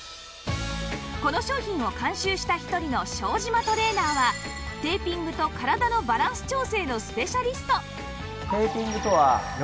この商品を監修した一人の庄島トレーナーはテーピングと体のバランス調整のスペシャリスト